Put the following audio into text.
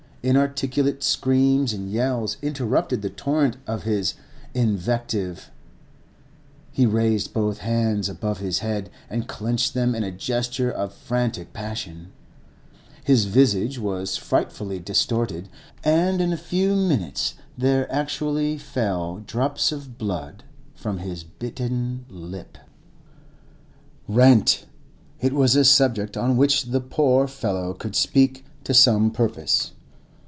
Inarticulate screams and yells interrupted the torrent of his invective; he raised both hands above his head and clenched them in a gesture of frantic passion; his visage was frightfully distorted, and in a few minutes there actually fell drops of blood from his bitten lip. Rent!—it was a subject on which the poor fellow could speak to some purpose.